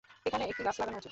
এখানে একটা গাছ লাগানো উচিৎ।